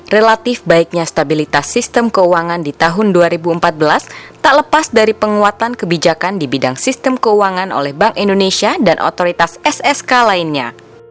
relatif baiknya stabilitas sistem keuangan di tahun dua ribu empat belas tak lepas dari penguatan kebijakan di bidang sistem keuangan oleh bank indonesia dan otoritas ssk lainnya